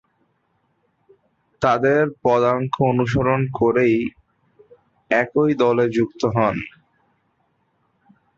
তাদের পদাঙ্ক অনুসরণ করেই একই দলে যুক্ত হন।